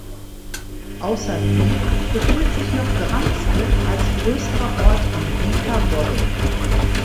Außer Wiek befindet sich noch Dranske als größerer Ort am Wieker Bodden.